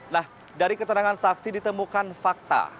nah dari keterangan saksi ditemukan fakta